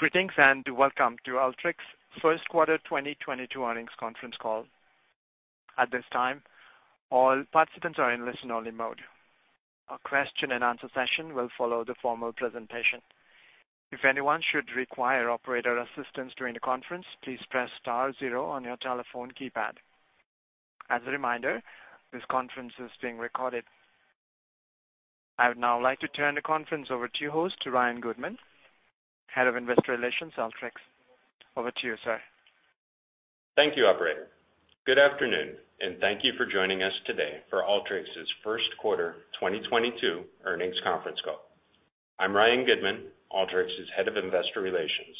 Greetings, and welcome to Alteryx First Quarter 2022 Earnings Conference Call. At this time, all participants are in listen-only mode. A question and answer session will follow the formal presentation. If anyone should require operator assistance during the conference, please press star zero on your telephone keypad. As a reminder, this conference is being recorded. I would now like to turn the conference over to your host, Ryan Goodman, Head of Investor Relations, Alteryx. Over to you, sir. Thank you, operator. Good afternoon, and thank you for joining us today for Alteryx's first quarter 2022 earnings conference call. I'm Ryan Goodman, Alteryx's Head of Investor Relations.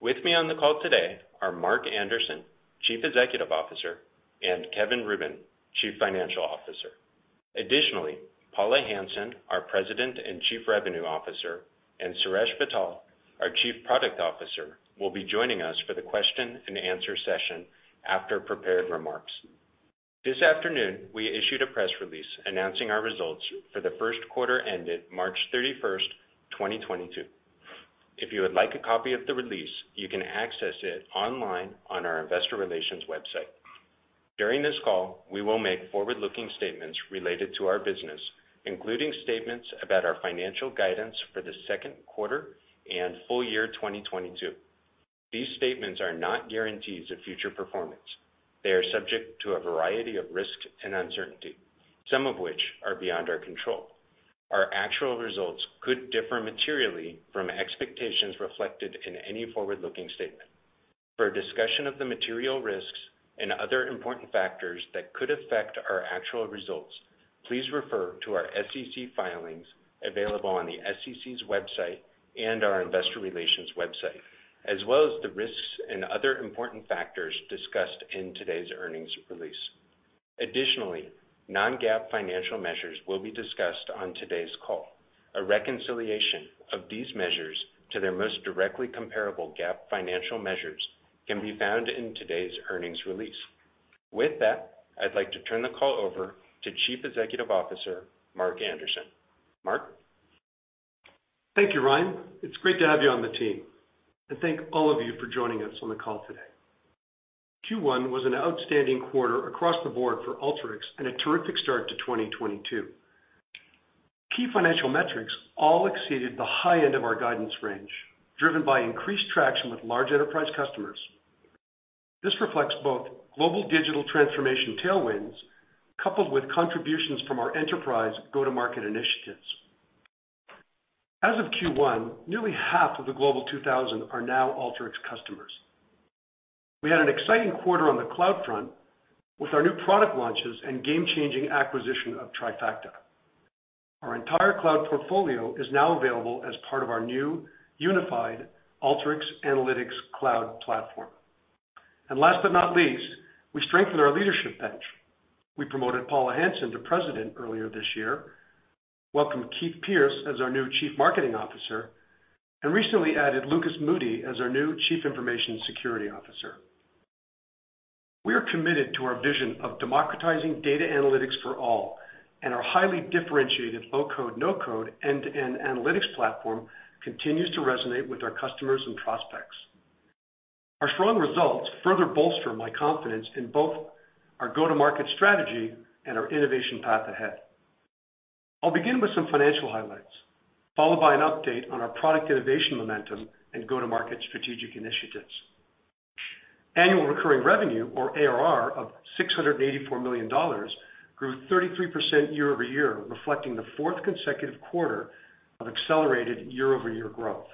With me on the call today are Mark Anderson, Chief Executive Officer, and Kevin Rubin, Chief Financial Officer. Additionally, Paula Hansen, our President and Chief Revenue Officer, and Suresh Vittal, our Chief Product Officer, will be joining us for the question and answer session after prepared remarks. This afternoon, we issued a press release announcing our results for the first quarter ended March 31st, 2022. If you would like a copy of the release, you can access it online on our investor relations website. During this call, we will make forward-looking statements related to our business, including statements about our financial guidance for the second quarter and full year 2022. These statements are not guarantees of future performance. They are subject to a variety of risks and uncertainty, some of which are beyond our control. Our actual results could differ materially from expectations reflected in any forward-looking statement. For a discussion of the material risks and other important factors that could affect our actual results, please refer to our SEC filings available on the SEC's website and our investor relations website, as well as the risks and other important factors discussed in today's earnings release. Additionally, non-GAAP financial measures will be discussed on today's call. A reconciliation of these measures to their most directly comparable GAAP financial measures can be found in today's earnings release. With that, I'd like to turn the call over to Chief Executive Officer, Mark Anderson. Mark? Thank you, Ryan. It's great to have you on the team, and thank all of you for joining us on the call today. Q1 was an outstanding quarter across the board for Alteryx and a terrific start to 2022. Key financial metrics all exceeded the high end of our guidance range, driven by increased traction with large enterprise customers. This reflects both global digital transformation tailwinds coupled with contributions from our enterprise go-to-market initiatives. As of Q1, nearly half of the Global 2000 are now Alteryx customers. We had an exciting quarter on the cloud front with our new product launches and game-changing acquisition of Trifacta. Our entire cloud portfolio is now available as part of our new unified Alteryx Analytics Cloud platform. Last but not least, we strengthened our leadership bench. We promoted Paula Hansen to President earlier this year, welcomed Keith Pierce as our new Chief Marketing Officer, and recently added Lucas Moody as our new Chief Information Security Officer. We are committed to our vision of democratizing data analytics for all, and our highly differentiated low-code, no-code end-to-end analytics platform continues to resonate with our customers and prospects. Our strong results further bolster my confidence in both our go-to-market strategy and our innovation path ahead. I'll begin with some financial highlights, followed by an update on our product innovation momentum and go-to-market strategic initiatives. Annual recurring revenue or ARR of $684 million grew 33% year-over-year, reflecting the fourth consecutive quarter of accelerated year-over-year growth.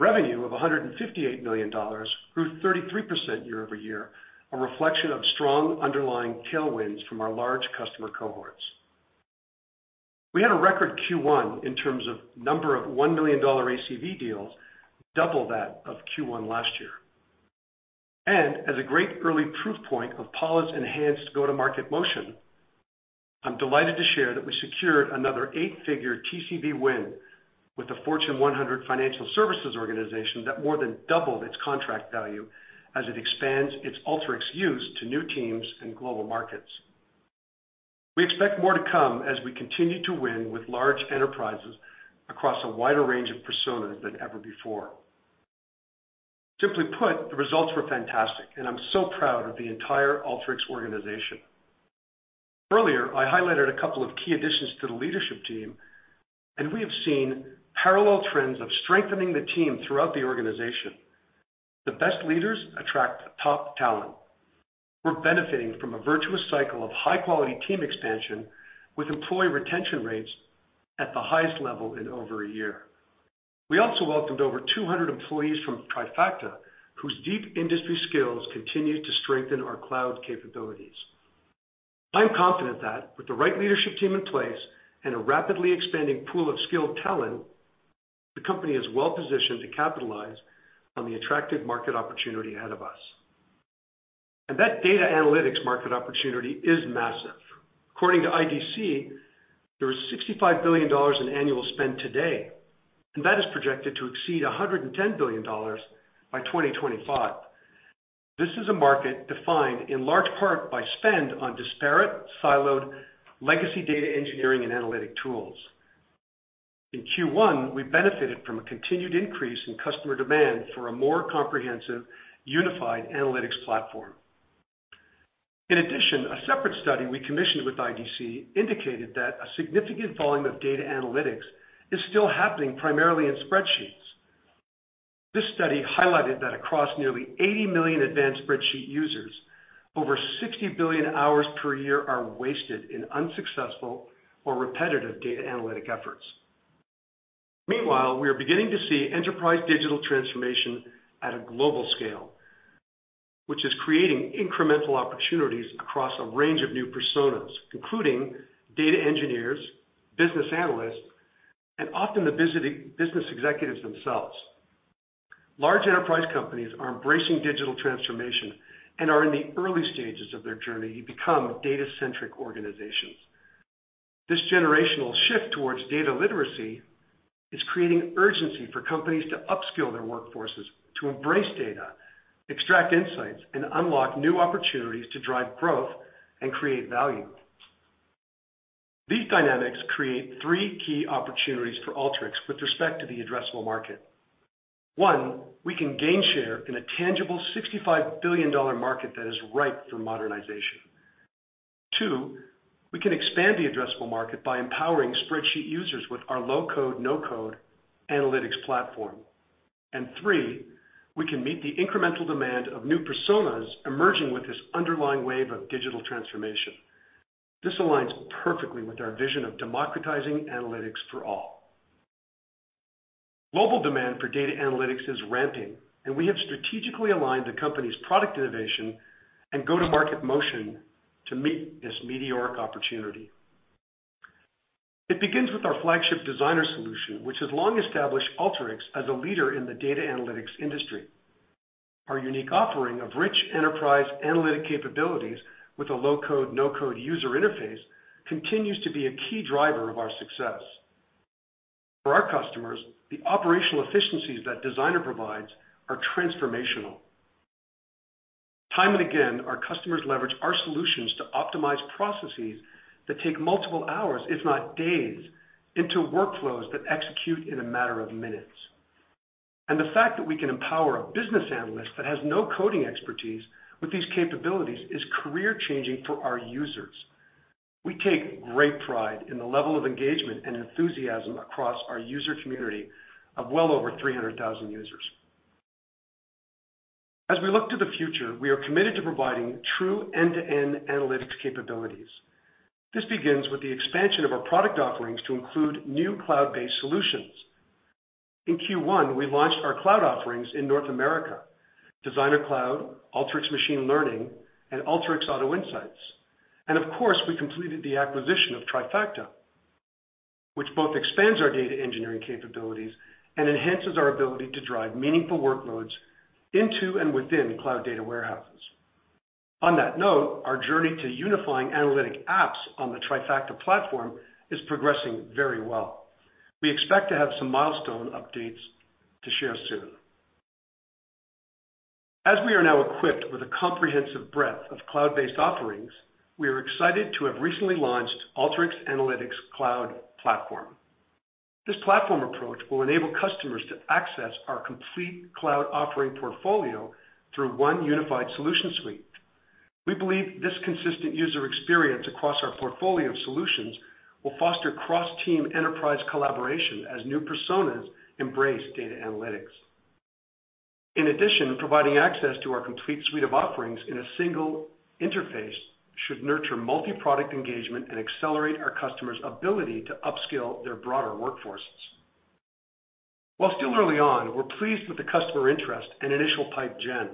Revenue of $158 million grew 33% year-over-year, a reflection of strong underlying tailwinds from our large customer cohorts. We had a record Q1 in terms of number of $1 million ACV deals, double that of Q1 last year. As a great early proof point of Paula's enhanced go-to-market motion, I'm delighted to share that we secured another eight-figure TCV win with the Fortune 100 financial services organization that more than doubled its contract value as it expands its Alteryx use to new teams and global markets. We expect more to come as we continue to win with large enterprises across a wider range of personas than ever before. Simply put, the results were fantastic, and I'm so proud of the entire Alteryx organization. Earlier, I highlighted a couple of key additions to the leadership team, and we have seen parallel trends of strengthening the team throughout the organization. The best leaders attract top talent. We're benefiting from a virtuous cycle of high-quality team expansion with employee retention rates at the highest level in over a year. We also welcomed over 200 employees from Trifacta, whose deep industry skills continue to strengthen our cloud capabilities. I'm confident that with the right leadership team in place and a rapidly expanding pool of skilled talent, the company is well positioned to capitalize on the attractive market opportunity ahead of us. That data analytics market opportunity is massive. According to IDC, there is $65 billion in annual spend today, and that is projected to exceed $110 billion by 2025. This is a market defined in large part by spend on disparate, siloed legacy data engineering and analytic tools. In Q1, we benefited from a continued increase in customer demand for a more comprehensive, unified analytics platform. In addition, a separate study we commissioned with IDC indicated that a significant volume of data analytics is still happening primarily in spreadsheets. This study highlighted that across nearly 80 million advanced spreadsheet users, over 60 billion hours per year are wasted in unsuccessful or repetitive data analytic efforts. Meanwhile, we are beginning to see enterprise digital transformation at a global scale, which is creating incremental opportunities across a range of new personas, including data engineers, business analysts, and often business executives themselves. Large enterprise companies are embracing digital transformation and are in the early stages of their journey to become data-centric organizations. This generational shift towards data literacy is creating urgency for companies to upskill their workforces to embrace data, extract insights, and unlock new opportunities to drive growth and create value. These dynamics create three key opportunities for Alteryx with respect to the addressable market. One, we can gain share in a tangible $65 billion market that is ripe for modernization. Two, we can expand the addressable market by empowering spreadsheet users with our Low-code/no-code analytics platform. Three, we can meet the incremental demand of new personas emerging with this underlying wave of digital transformation. This aligns perfectly with our vision of democratizing analytics for all. Global demand for data analytics is ramping, and we have strategically aligned the company's product innovation and go-to-market motion to meet this meteoric opportunity. It begins with our flagship Designer solution, which has long established Alteryx as a leader in the data analytics industry. Our unique offering of rich enterprise analytic capabilities with a low-code/no-code user interface continues to be a key driver of our success. For our customers, the operational efficiencies that Designer provides are transformational. Time and again, our customers leverage our solutions to optimize processes that take multiple hours, if not days, into workflows that execute in a matter of minutes. The fact that we can empower a business analyst that has no coding expertise with these capabilities is career-changing for our users. We take great pride in the level of engagement and enthusiasm across our user community of well over 300,000 users. As we look to the future, we are committed to providing true end-to-end analytics capabilities. This begins with the expansion of our product offerings to include new cloud-based solutions. In Q1, we launched our cloud offerings in North America, Designer Cloud, Alteryx Machine Learning, and Alteryx Auto Insights. Of course, we completed the acquisition of Trifacta, which both expands our data engineering capabilities and enhances our ability to drive meaningful workloads into and within cloud data warehouses. On that note, our journey to unifying analytic apps on the Trifacta platform is progressing very well. We expect to have some milestone updates to share soon. As we are now equipped with a comprehensive breadth of cloud-based offerings, we are excited to have recently launched Alteryx Analytics Cloud platform. This platform approach will enable customers to access our complete cloud offering portfolio through one unified solution suite. We believe this consistent user experience across our portfolio of solutions will foster cross-team enterprise collaboration as new personas embrace data analytics. In addition, providing access to our complete suite of offerings in a single interface should nurture multiproduct engagement and accelerate our customers' ability to upskill their broader workforces. While still early on, we're pleased with the customer interest and initial pipe gen.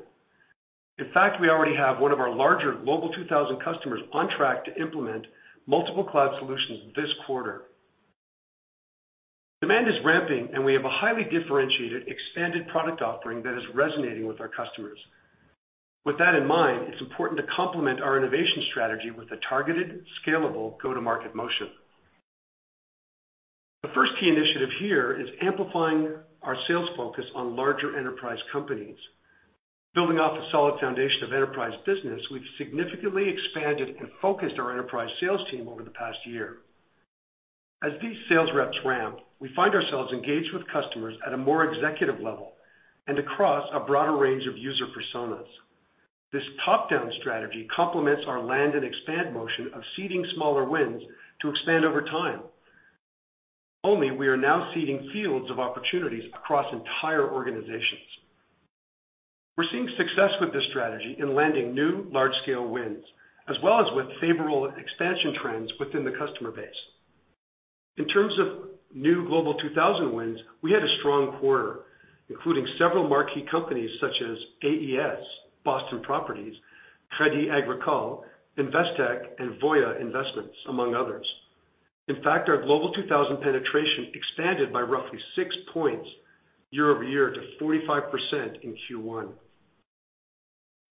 In fact, we already have one of our larger Global 2000 customers on track to implement multiple cloud solutions this quarter. Demand is ramping, and we have a highly differentiated, expanded product offering that is resonating with our customers. With that in mind, it's important to complement our innovation strategy with a targeted, scalable go-to-market motion. The first key initiative here is amplifying our sales focus on larger enterprise companies. Building off the solid foundation of enterprise business, we've significantly expanded and focused our enterprise sales team over the past year. As these sales reps ramp, we find ourselves engaged with customers at a more executive level and across a broader range of user personas. This top-down strategy complements our land and expand motion of seeding smaller wins to expand over time. Only we are now seeding fields of opportunities across entire organizations. We're seeing success with this strategy in landing new large-scale wins, as well as with favorable expansion trends within the customer base. In terms of new Global 2000 wins, we had a strong quarter, including several marquee companies such as AES, Boston Properties, Crédit Agricole, Investec, and Voya Financial, among others. In fact, our Global 2000 penetration expanded by roughly six points year-over-year to 45% in Q1.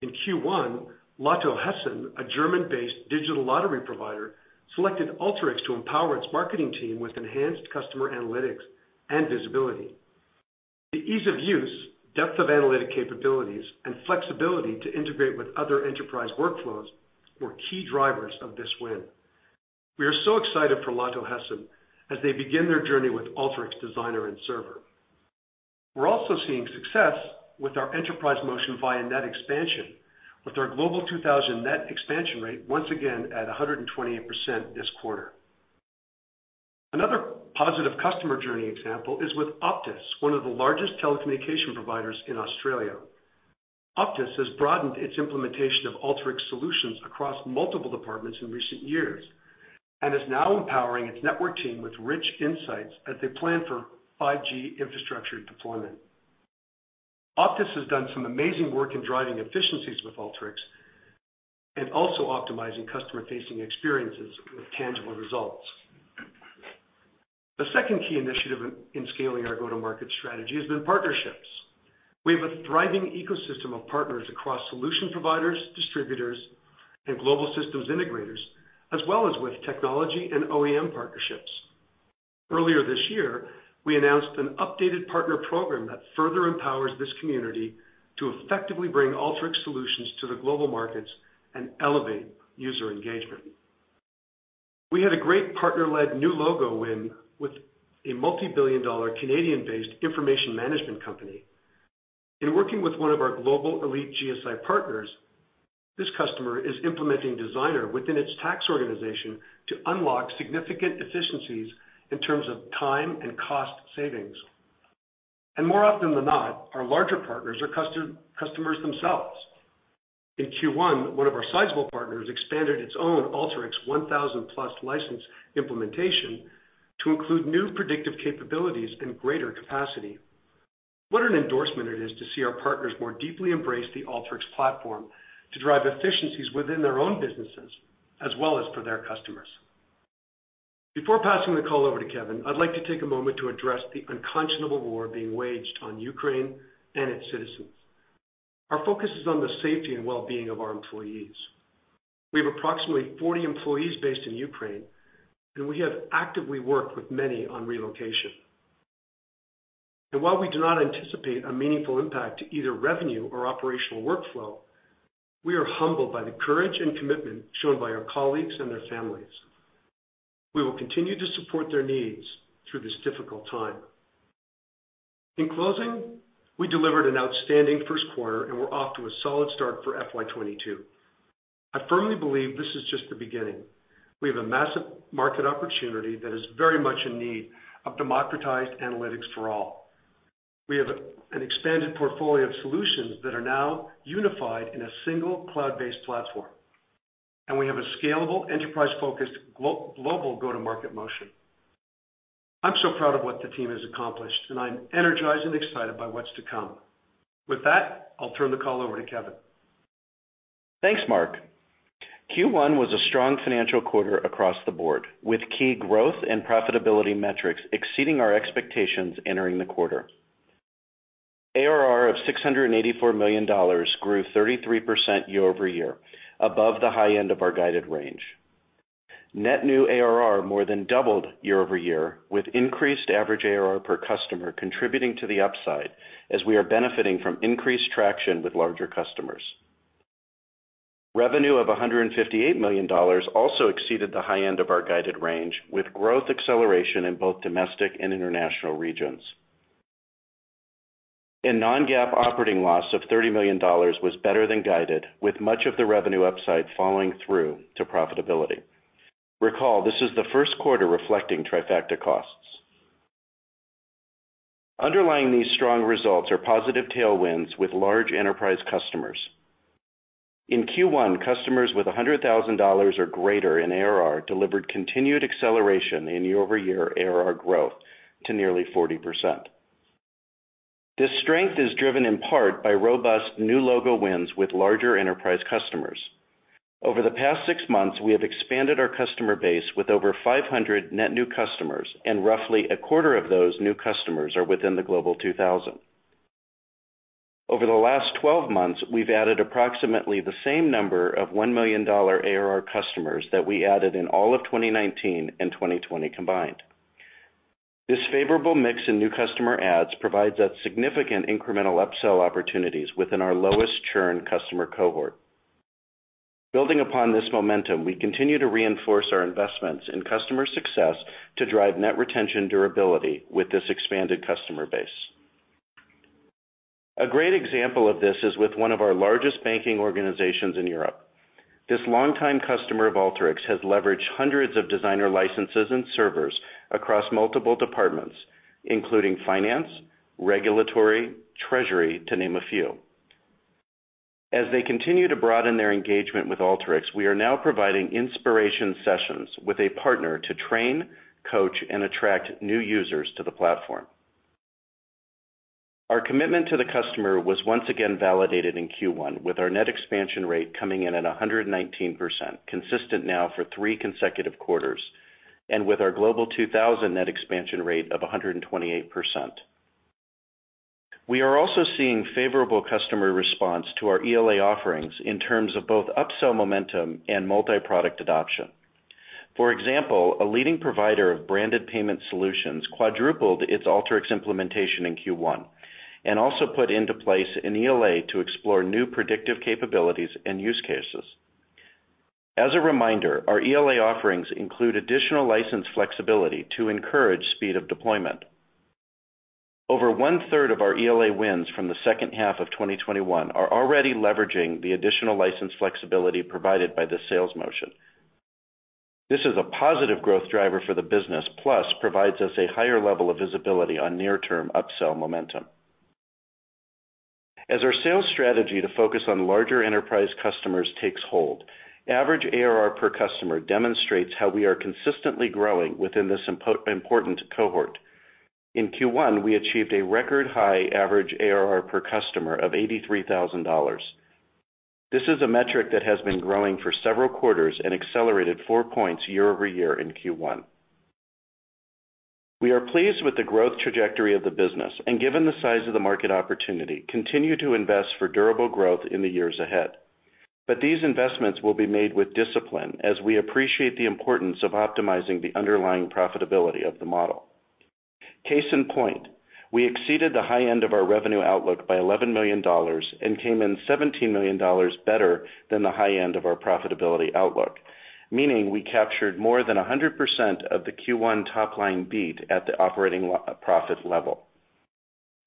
In Q1, Lotto Hessen, a German-based digital lottery provider, selected Alteryx to empower its marketing team with enhanced customer analytics and visibility. The ease of use, depth of analytic capabilities, and flexibility to integrate with other enterprise workflows were key drivers of this win. We are so excited for Lotto Hessen as they begin their journey with Alteryx Designer and Server. We're also seeing success with our enterprise motion via net expansion with our Global 2000 net expansion rate once again at 128% this quarter. Another positive customer journey example is with Optus, one of the largest telecommunications providers in Australia. Optus has broadened its implementation of Alteryx solutions across multiple departments in recent years, and is now empowering its network team with rich insights as they plan for 5G infrastructure and deployment. Optus has done some amazing work in driving efficiencies with Alteryx and also optimizing customer-facing experiences with tangible results. The second key initiative in scaling our go-to-market strategy has been partnerships. We have a thriving ecosystem of partners across solution providers, distributors, and global systems integrators, as well as with technology and OEM partnerships. Earlier this year, we announced an updated partner program that further empowers this community to effectively bring Alteryx solutions to the global markets and elevate user engagement. We had a great partner-led new logo win with a multi-billion dollar Canadian-based information management company. In working with one of our global elite GSI partners, this customer is implementing Designer within its tax organization to unlock significant efficiencies in terms of time and cost savings. More often than not, our larger partners are customers themselves. In Q1, one of our sizable partners expanded its own Alteryx 1,000+ license implementation to include new predictive capabilities and greater capacity. What an endorsement it is to see our partners more deeply embrace the Alteryx platform to drive efficiencies within their own businesses, as well as for their customers. Before passing the call over to Kevin, I'd like to take a moment to address the unconscionable war being waged on Ukraine and its citizens. Our focus is on the safety and wellbeing of our employees. We have approximately 40 employees based in Ukraine, and we have actively worked with many on relocation. While we do not anticipate a meaningful impact to either revenue or operational workflow, we are humbled by the courage and commitment shown by our colleagues and their families. We will continue to support their needs through this difficult time. In closing, we delivered an outstanding first quarter, and we're off to a solid start for FY 2022. I firmly believe this is just the beginning. We have a massive market opportunity that is very much in need of democratized analytics for all. We have an expanded portfolio of solutions that are now unified in a single cloud-based platform, and we have a scalable enterprise-focused global go-to-market motion. I'm so proud of what the team has accomplished, and I'm energized and excited by what's to come. With that, I'll turn the call over to Kevin. Thanks, Mark. Q1 was a strong financial quarter across the board, with key growth and profitability metrics exceeding our expectations entering the quarter. ARR of $684 million grew 33% year-over-year, above the high end of our guided range. Net new ARR more than doubled year-over-year with increased average ARR per customer contributing to the upside as we are benefiting from increased traction with larger customers. Revenue of $158 million also exceeded the high end of our guided range, with growth acceleration in both domestic and international regions. A non-GAAP operating loss of $30 million was better than guided, with much of the revenue upside falling through to profitability. Recall, this is the first quarter reflecting Trifacta costs. Underlying these strong results are positive tailwinds with large enterprise customers. In Q1, customers with $100,000 or greater in ARR delivered continued acceleration in year-over-year ARR growth to nearly 40%. This strength is driven in part by robust new logo wins with larger enterprise customers. Over the past six months, we have expanded our customer base with over 500 net new customers, and roughly a quarter of those new customers are within the Global 2000. Over the last 12 months, we've added approximately the same number of $1 million ARR customers that we added in all of 2019 and 2020 combined. This favorable mix in new customer adds provides us significant incremental upsell opportunities within our lowest churn customer cohort. Building upon this momentum, we continue to reinforce our investments in customer success to drive net retention durability with this expanded customer base. A great example of this is with one of our largest banking organizations in Europe. This longtime customer of Alteryx has leveraged hundreds of Designer licenses and servers across multiple departments, including finance, regulatory, treasury, to name a few. As they continue to broaden their engagement with Alteryx, we are now providing inspiration sessions with a partner to train, coach, and attract new users to the platform. Our commitment to the customer was once again validated in Q1 with our net expansion rate coming in at 119%, consistent now for three consecutive quarters, and with our Global 2000 net expansion rate of 128%. We are also seeing favorable customer response to our ELA offerings in terms of both upsell momentum and multiproduct adoption. For example, a leading provider of branded payment solutions quadrupled its Alteryx implementation in Q1, and also put into place an ELA to explore new predictive capabilities and use cases. As a reminder, our ELA offerings include additional license flexibility to encourage speed of deployment. Over one-third of our ELA wins from the second half of 2021 are already leveraging the additional license flexibility provided by the sales motion. This is a positive growth driver for the business, plus provides us a higher level of visibility on near-term upsell momentum. As our sales strategy to focus on larger enterprise customers takes hold, average ARR per customer demonstrates how we are consistently growing within this important cohort. In Q1, we achieved a record high average ARR per customer of $83,000. This is a metric that has been growing for several quarters and accelerated four points year-over-year in Q1. We are pleased with the growth trajectory of the business, and given the size of the market opportunity, continue to invest for durable growth in the years ahead. These investments will be made with discipline, as we appreciate the importance of optimizing the underlying profitability of the model. Case in point, we exceeded the high end of our revenue outlook by $11 million and came in $17 million better than the high end of our profitability outlook, meaning we captured more than 100% of the Q1 top-line beat at the operating profit level.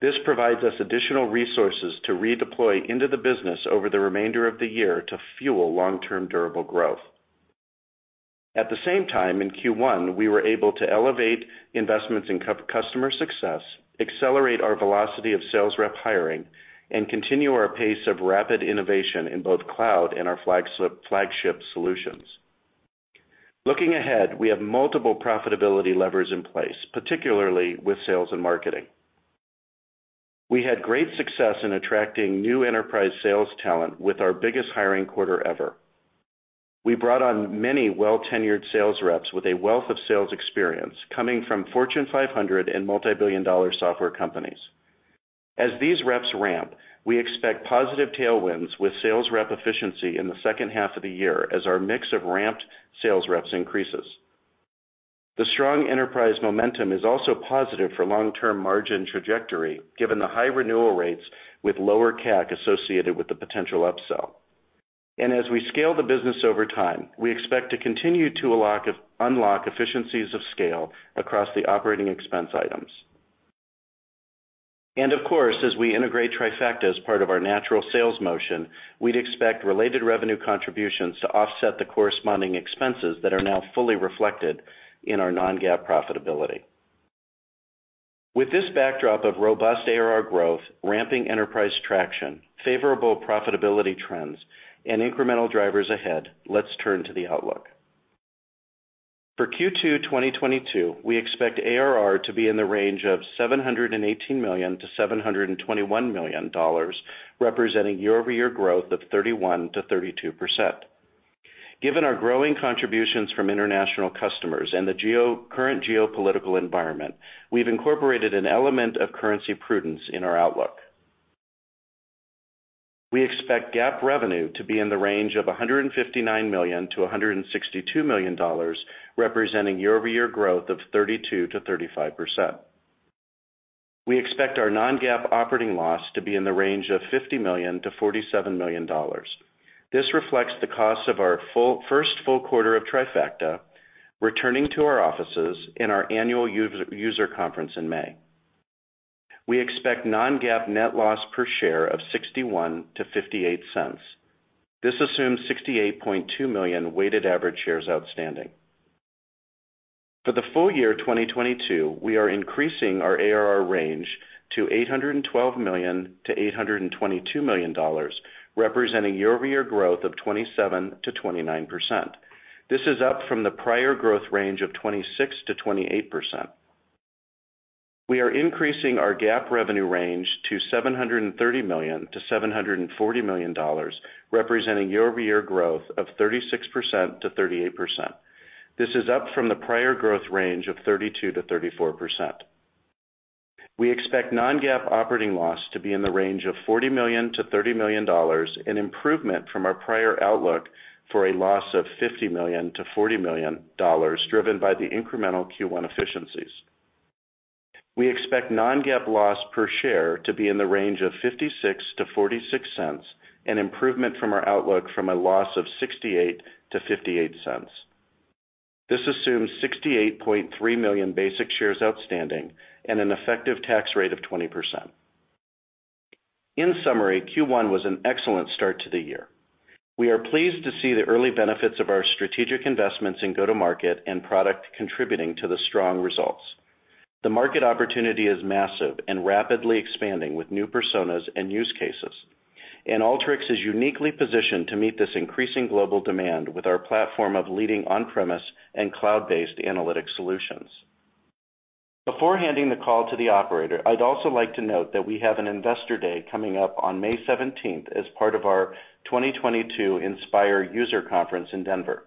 This provides us additional resources to redeploy into the business over the remainder of the year to fuel long-term durable growth. At the same time, in Q1, we were able to elevate investments in customer success, accelerate our velocity of sales rep hiring, and continue our pace of rapid innovation in both cloud and our flagship solutions. Looking ahead, we have multiple profitability levers in place, particularly with sales and marketing. We had great success in attracting new enterprise sales talent with our biggest hiring quarter ever. We brought on many well-tenured sales reps with a wealth of sales experience, coming from Fortune 500 and multibillion-dollar software companies. As these reps ramp, we expect positive tailwinds with sales rep efficiency in the second half of the year as our mix of ramped sales reps increases. The strong enterprise momentum is also positive for long-term margin trajectory, given the high renewal rates with lower CAC associated with the potential upsell. As we scale the business over time, we expect to continue to unlock efficiencies of scale across the operating expense items. Of course, as we integrate Trifacta as part of our natural sales motion, we'd expect related revenue contributions to offset the corresponding expenses that are now fully reflected in our non-GAAP profitability. With this backdrop of robust ARR growth, ramping enterprise traction, favorable profitability trends, and incremental drivers ahead, let's turn to the outlook. For Q2 2022, we expect ARR to be in the range of $718 million-$721 million, representing year-over-year growth of 31%-32%. Given our growing contributions from international customers and the current geopolitical environment, we've incorporated an element of currency prudence in our outlook. We expect GAAP revenue to be in the range of $159 million-$162 million, representing year-over-year growth of 32%-35%. We expect our non-GAAP operating loss to be in the range of $50 million-$47 million. This reflects the cost of our first full quarter of Trifacta returning to our offices in our annual user conference in May. We expect non-GAAP net loss per share of $0.61-$0.58. This assumes 68.2 million weighted average shares outstanding. For the full year 2022, we are increasing our ARR range to $812 million-$822 million, representing year-over-year growth of 27%-29%. This is up from the prior growth range of 26%-28%. We are increasing our GAAP revenue range to $730 million-$740 million, representing year-over-year growth of 36%-38%. This is up from the prior growth range of 32%-34%. We expect non-GAAP operating loss to be in the range of $40 million-$30 million, an improvement from our prior outlook for a loss of $50 million-$40 million, driven by the incremental Q1 efficiencies. We expect non-GAAP loss per share to be in the range of $0.56-$0.46, an improvement from our outlook from a loss of $0.68-$0.58. This assumes 68.3 million basic shares outstanding and an effective tax rate of 20%. In summary, Q1 was an excellent start to the year. We are pleased to see the early benefits of our strategic investments in go-to-market and product contributing to the strong results. The market opportunity is massive and rapidly expanding with new personas and use cases. Alteryx is uniquely positioned to meet this increasing global demand with our platform of leading on-premise and cloud-based analytic solutions. Before handing the call to the operator, I'd also like to note that we have an investor day coming up on May seventeenth as part of our 2022 Inspire User Conference in Denver.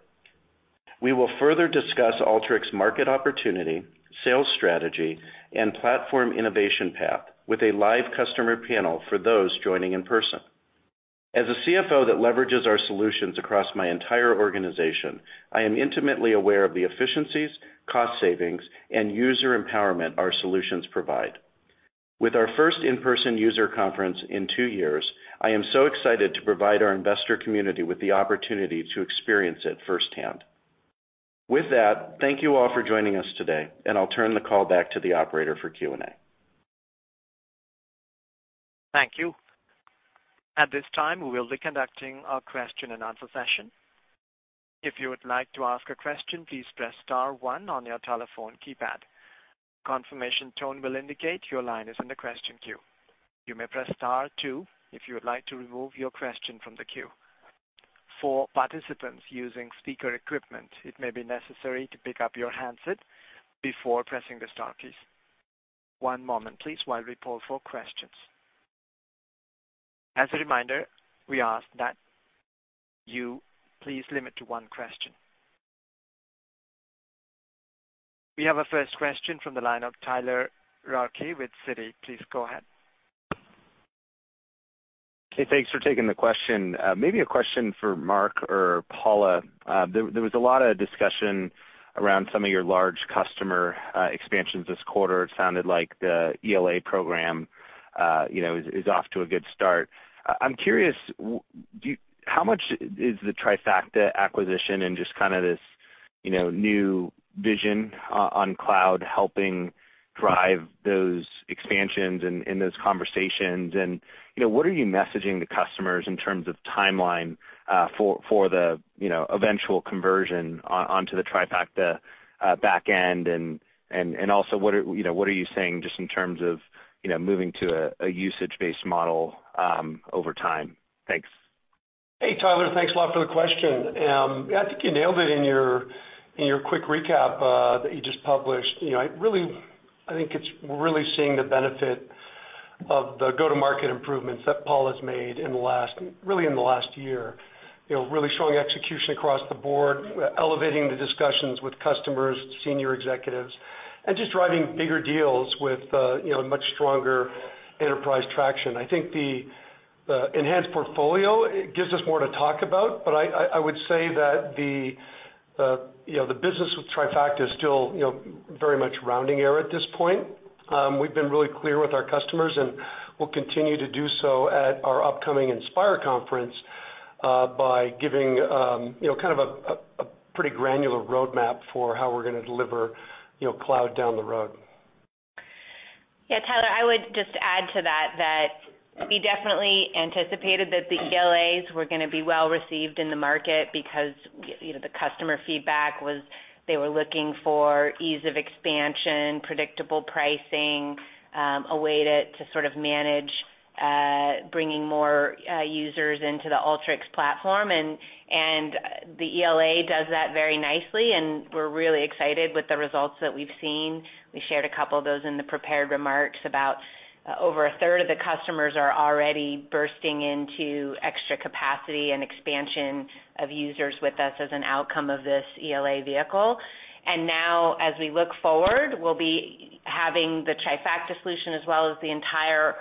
We will further discuss Alteryx's market opportunity, sales strategy, and platform innovation path with a live customer panel for those joining in person. As a CFO that leverages our solutions across my entire organization, I am intimately aware of the efficiencies, cost savings, and user empowerment our solutions provide. With our first in-person user conference in two years, I am so excited to provide our investor community with the opportunity to experience it firsthand. With that, thank you all for joining us today, and I'll turn the call back to the operator for Q&A. Thank you. At this time, we will be conducting our question-and-answer session. If you would like to ask a question, please press star one on your telephone keypad. Confirmation tone will indicate your line is in the question queue. You may press star two if you would like to remove your question from the queue. For participants using speaker equipment, it may be necessary to pick up your handset before pressing the star keys. One moment please while we poll for questions. As a reminder, we ask that you please limit to one question. We have our first question from the line of Tyler Radke with Citi. Please go ahead. Hey, thanks for taking the question. Maybe a question for Mark or Paula. There was a lot of discussion around some of your large customer expansions this quarter. It sounded like the ELA program, you know, is off to a good start. I'm curious how much is the Trifacta acquisition and just kinda this, you know, new vision on cloud helping drive those expansions and those conversations? You know, what are you messaging the customers in terms of timeline for the, you know, eventual conversion onto the Trifacta back end? Also what are you saying just in terms of, you know, moving to a usage-based model over time? Thanks. Hey, Tyler. Thanks a lot for the question. Yeah, I think you nailed it in your quick recap that you just published. You know, I think it's, we're really seeing the benefit of the go-to-market improvements that Paula has made in the last, really in the last year. You know, really showing execution across the board, elevating the discussions with customers, senior executives, and just driving bigger deals with, you know, much stronger enterprise traction. I think the enhanced portfolio gives us more to talk about, but I would say that the, you know, the business with Trifacta is still, you know, very much rounding error at this point. We've been really clear with our customers, and we'll continue to do so at our upcoming Inspire conference by giving, you know, kind of a pretty granular roadmap for how we're gonna deliver, you know, cloud down the road. Yeah, Tyler, I would just add to that we definitely anticipated that the ELAs were gonna be well received in the market because you know, the customer feedback was they were looking for ease of expansion, predictable pricing, a way to sort of manage bringing more users into the Alteryx platform. The ELA does that very nicely, and we're really excited with the results that we've seen. We shared a couple of those in the prepared remarks, about over a third of the customers are already bursting into extra capacity and expansion of users with us as an outcome of this ELA vehicle. Now as we look forward, we'll be having the Trifacta solution as well as the entire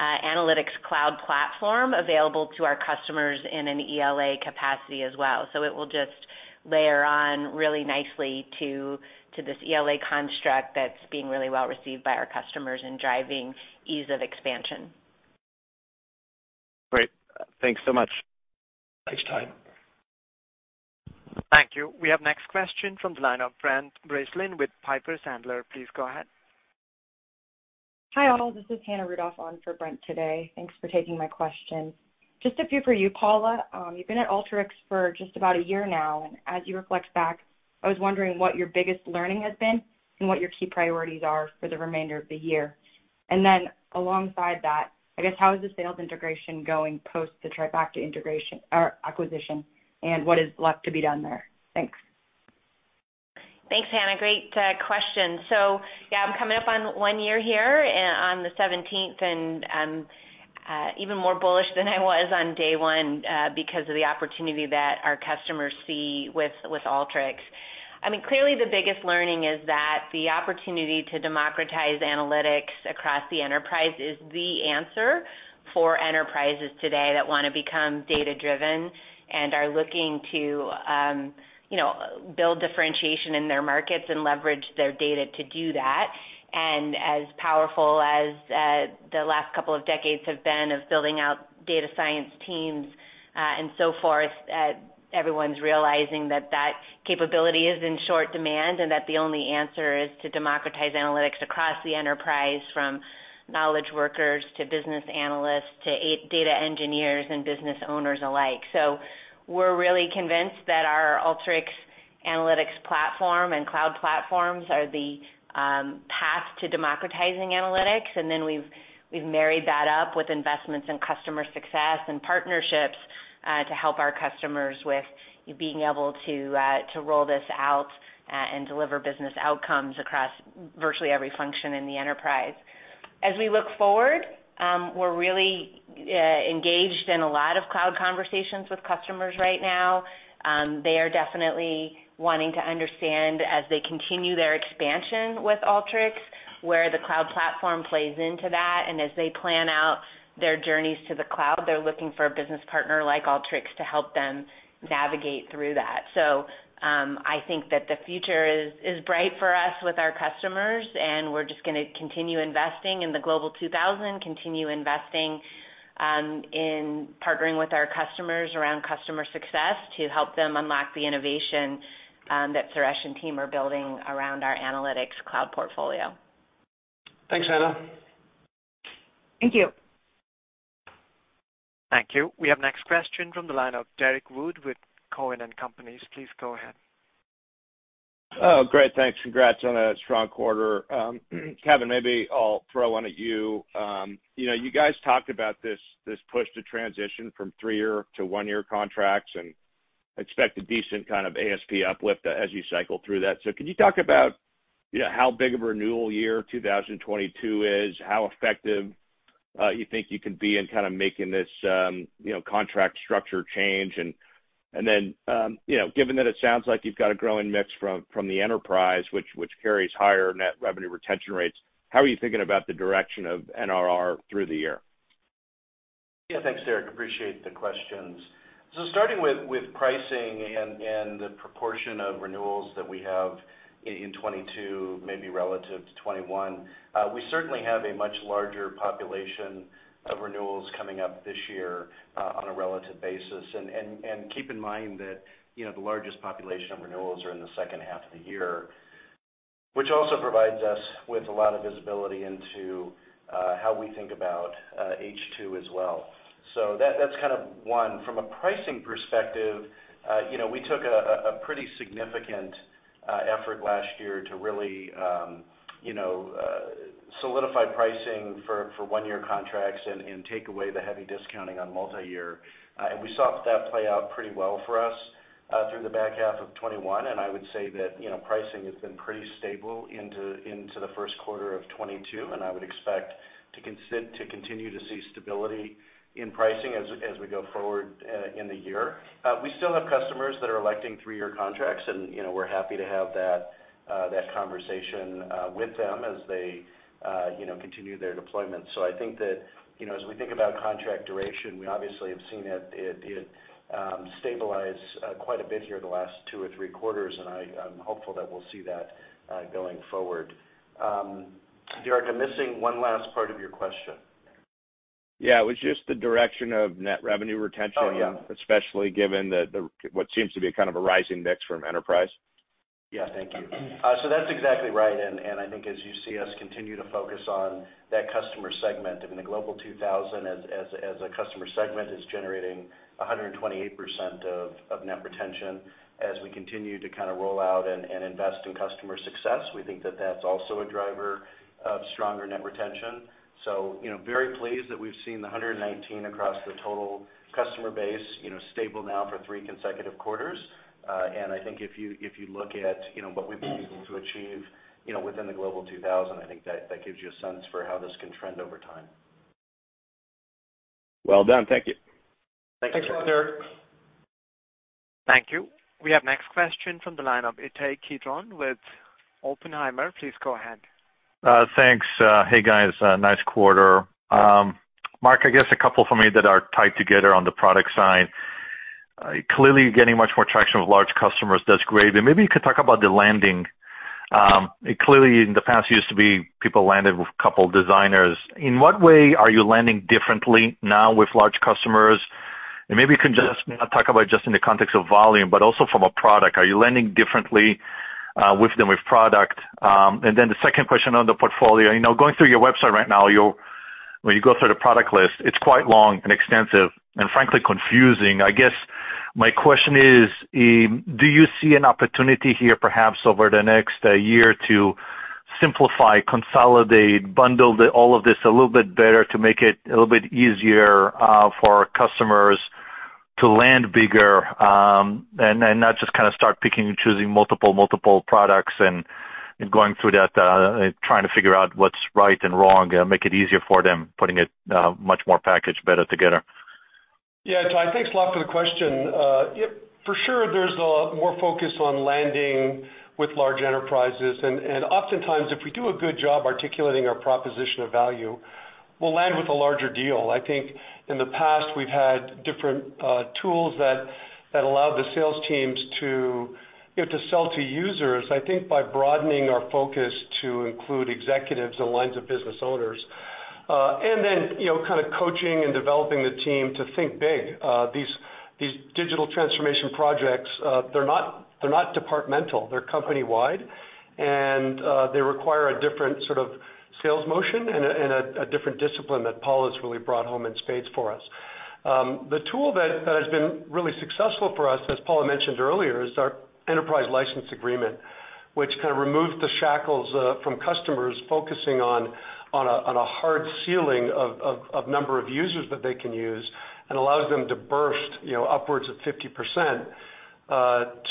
analytics cloud platform available to our customers in an ELA capacity as well. It will just layer on really nicely to this ELA construct that's being really well received by our customers and driving ease of expansion. Great. Thanks so much. Thanks, Tyler. Thank you. We have next question from the line of Brent Bracelin with Piper Sandler. Please go ahead. Hi, all. This is Hannah Rudoff on for Brent today. Thanks for taking my questions. Just a few for you, Paula. You've been at Alteryx for just about a year now, and as you reflect back, I was wondering what your biggest learning has been and what your key priorities are for the remainder of the year. Alongside that, I guess, how is the sales integration going post the Trifacta integration or acquisition, and what is left to be done there? Thanks. Thanks, Hannah. Great question. So yeah, I'm coming up on one year here on the 17th, and I'm even more bullish than I was on day one, because of the opportunity that our customers see with Alteryx. I mean, clearly the biggest learning is that the opportunity to democratize analytics across the enterprise is the answer for enterprises today that wanna become data-driven and are looking to, you know, build differentiation in their markets and leverage their data to do that. As powerful as the last couple of decades have been of building out data science teams, and so forth, everyone's realizing that that capability is in short demand and that the only answer is to democratize analytics across the enterprise from knowledge workers to business analysts to data engineers and business owners alike. We're really convinced that our Alteryx analytics platform and cloud platforms are the path to democratizing analytics. Then we've married that up with investments in customer success and partnerships to help our customers with being able to to roll this out and deliver business outcomes across virtually every function in the enterprise. As we look forward, we're really engaged in a lot of cloud conversations with customers right now. They are definitely wanting to understand as they continue their expansion with Alteryx, where the cloud platform plays into that, and as they plan out their journeys to the cloud, they're looking for a business partner like Alteryx to help them navigate through that. I think that the future is bright for us with our customers, and we're just gonna continue investing in the Global 2000, in partnering with our customers around customer success to help them unlock the innovation that Suresh and team are building around our analytics cloud portfolio. Thanks, Hannah. Thank you. Thank you. We have next question from the line of Derrick Wood with Cowen and Company. Please go ahead. Oh, great. Thanks. Congrats on a strong quarter. Kevin, maybe I'll throw one at you. You know, you guys talked about this push to transition from three-year to one-year contracts and expect a decent kind of ASP uplift as you cycle through that. Can you talk about, you know, how big of a renewal year 2022 is, how effective you think you can be in kind of making this, you know, contract structure change? You know, given that it sounds like you've got a growing mix from the enterprise, which carries higher net revenue retention rates, how are you thinking about the direction of NRR through the year? Yeah, thanks, Derrick. Appreciate the questions. Starting with pricing and the proportion of renewals that we have in 2022, maybe relative to 2021. We certainly have a much larger population of renewals coming up this year, on a relative basis. Keep in mind that, you know, the largest population of renewals are in the second half of the year, which also provides us with a lot of visibility into how we think about H2 as well. That's kind of one. From a pricing perspective, you know, we took a pretty significant effort last year to really solidify pricing for one-year contracts and take away the heavy discounting on multi-year. We saw that play out pretty well for us through the back half of 2021. I would say that pricing has been pretty stable into the first quarter of 2022, and I would expect to continue to see stability in pricing as we go forward in the year. We still have customers that are electing three-year contracts and we're happy to have that conversation with them as they continue their deployment. I think that as we think about contract duration, we obviously have seen it stabilize quite a bit here the last two or three quarters, and I'm hopeful that we'll see that going forward. Derrick, I'm missing one last part of your question. Yeah, it was just the direction of net revenue retention. Oh, yeah. Especially given that what seems to be kind of a rising mix from enterprise. Yeah. Thank you. That's exactly right. I think as you see us continue to focus on that customer segment, I mean, the Global 2000 as a customer segment is generating 128% net retention. As we continue to kind of roll out and invest in customer success, we think that that's also a driver of stronger net retention. You know, very pleased that we've seen 119% across the total customer base, you know, stable now for three consecutive quarters. I think if you look at, you know, what we've been able to achieve, you know, within the Global 2000, I think that gives you a sense for how this can trend over time. Well done. Thank you. Thanks. Thanks, Derrick. Thank you. We have next question from the line of Ittai Kidron with Oppenheimer. Please go ahead. Thanks. Hey, guys, nice quarter. Mark, I guess a couple for me that are tied together on the product side. Clearly you're getting much more traction with large customers. That's great. Maybe you could talk about the landing. Clearly in the past, it used to be people landed with a couple designers. In what way are you landing differently now with large customers? Maybe you can just not talk about just in the context of volume, but also from a product. Are you landing differently, with them with product? Then the second question on the portfolio. You know, going through your website right now, when you go through the product list, it's quite long and extensive and frankly confusing. I guess my question is, do you see an opportunity here perhaps over the next year to simplify, consolidate, bundle all of this a little bit better to make it a little bit easier for customers to land bigger, and not just kind of start picking and choosing multiple products and going through that, trying to figure out what's right and wrong, make it easier for them, putting it much more packaged better together? Yeah. Ittai, thanks a lot for the question. For sure there's more focus on landing with large enterprises. Oftentimes if we do a good job articulating our proposition of value, we'll land with a larger deal. I think in the past we've had different tools that allowed the sales teams to, you know, to sell to users. I think, by broadening our focus to include executives and lines of business owners. Then, you know, kind of coaching and developing the team to think big. These digital transformation projects, they're not departmental, they're company-wide, and they require a different sort of sales motion and a different discipline that Paula has really brought home in spades for us. The tool that has been really successful for us, as Paula mentioned earlier, is our enterprise license agreement, which kind of removed the shackles from customers focusing on a hard ceiling of number of users that they can use and allows them to burst, you know, upwards of 50%.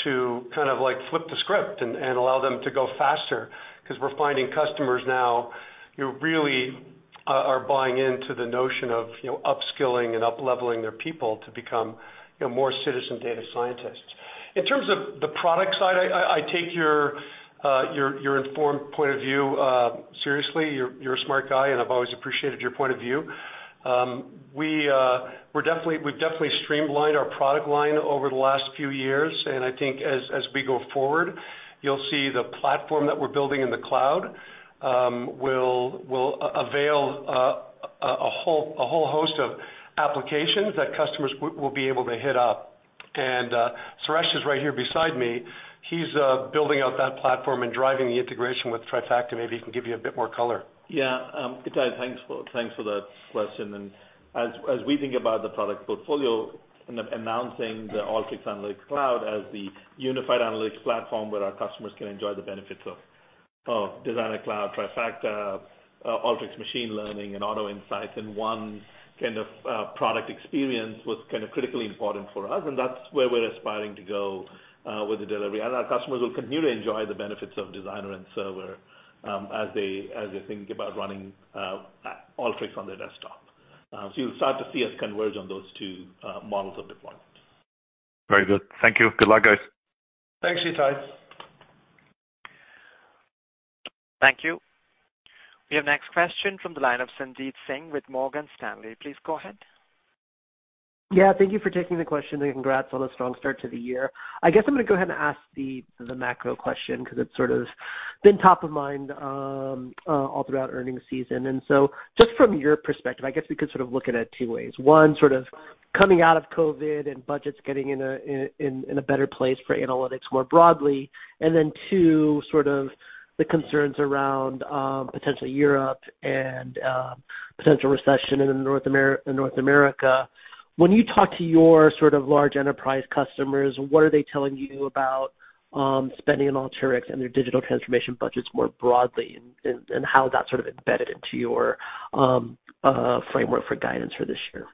To kind of like flip the script and allow them to go faster because we're finding customers now, you know, really are buying into the notion of, you know, upskilling and upleveling their people to become, you know, more citizen data scientists. In terms of the product side, I take your informed point of view seriously. You're a smart guy, and I've always appreciated your point of view. We've definitely streamlined our product line over the last few years, and I think as we go forward, you'll see the platform that we're building in the cloud, will avail a whole host of applications that customers will be able to hit up. Suresh is right here beside me. He's building out that platform and driving the integration with Trifacta. Maybe he can give you a bit more color. Yeah, Ittai, thanks for that question. As we think about the product portfolio and announcing the Alteryx Analytics Cloud as the unified analytics platform where our customers can enjoy the benefits of Designer Cloud, Trifacta, Alteryx Machine Learning, and Auto Insights, and one kind of product experience was kind of critically important for us, and that's where we're aspiring to go with the delivery. Our customers will continue to enjoy the benefits of Designer and Server, as they think about running Alteryx on their desktop. You'll start to see us converge on those two models of deployment. Very good. Thank you. Good luck, guys. Thanks, Ittai. Thank you. We have next question from the line of Sanjit Singh with Morgan Stanley. Please go ahead. Yeah, thank you for taking the question, and congrats on a strong start to the year. I guess I'm gonna go ahead and ask the macro question because it's sort of been top of mind all throughout earnings season. Just from your perspective, I guess we could sort of look at it two ways. One, sort of coming out of COVID and budgets getting in a better place for analytics more broadly. Two, sort of the concerns around potential in Europe and potential recession in North America. When you talk to your sort of large enterprise customers, what are they telling you about spending on Alteryx and their digital transformation budgets more broadly and how that's sort of embedded into your framework for guidance for this year?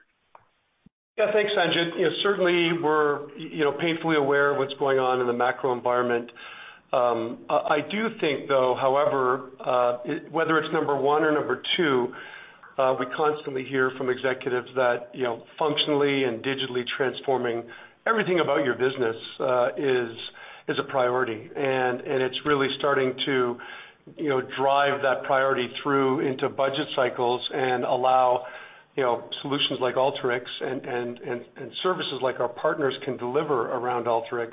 Yeah. Thanks, Sanjit. You know, certainly we're, you know, painfully aware of what's going on in the macro environment. I do think though, however, whether it's number one or number two, we constantly hear from executives that, you know, functionally and digitally transforming everything about your business is a priority. It's really starting to, you know, drive that priority through into budget cycles and allow, you know, solutions like Alteryx and services like our partners can deliver around Alteryx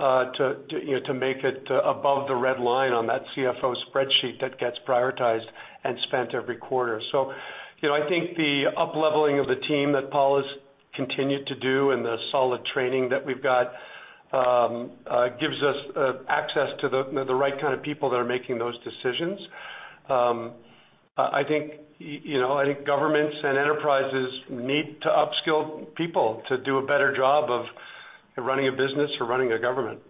to, you know, to make it above the red line on that CFO spreadsheet that gets prioritized and spent every quarter. You know, I think the upleveling of the team that Paula has continued to do and the solid training that we've got gives us access to the right kind of people that are making those decisions. I think, you know, governments and enterprises need to upskill people to do a better job of running a business or running a government.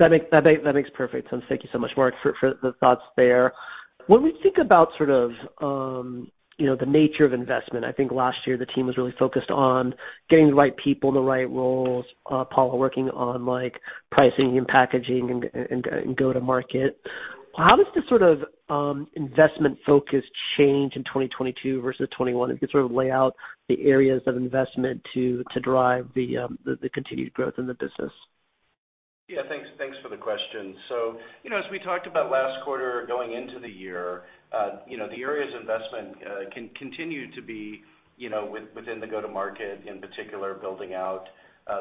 That makes perfect sense. Thank you so much, Mark, for the thoughts there. When we think about sort of, you know, the nature of investment, I think last year the team was really focused on getting the right people in the right roles, Paula, working on like pricing and packaging and go-to market. How does this sort of investment focus change in 2022 versus 2021? If you could sort of lay out the areas of investment to drive the continued growth in the business. Yeah. Thanks for the question. You know, as we talked about last quarter going into the year, the areas of investment can continue to be, you know, within the go to market, in particular, building out